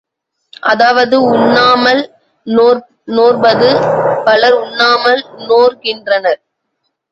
அதாவது உண்ணாமல் நோற்பது பலர் உண்ணாமல் நோற்கின்றனர்.